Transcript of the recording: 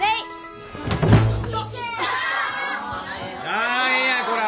何やこら！